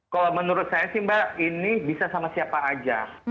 kalau menurut saya sih mbak ini bisa sama siapa aja